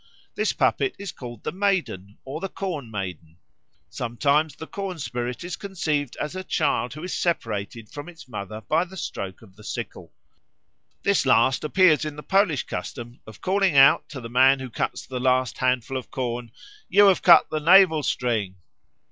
This puppet is called the Maiden or the Corn maiden. Sometimes the corn spirit is conceived as a child who is separated from its mother by the stroke of the sickle. This last view appears in the Polish custom of calling out to the man who cuts the last handful of corn, "You have cut the navel string."